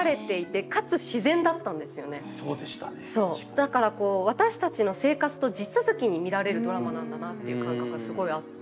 だから私たちの生活と地続きに見られるドラマなんだなっていう感覚がすごいあって。